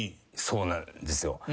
そうなんですよ。